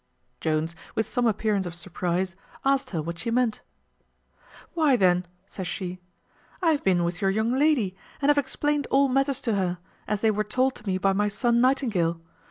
Jones, with some appearance of surprize, asked her what she meant. "Why then," says she, "I have been with your young lady, and have explained all matters to her, as they were told to me by my son Nightingale.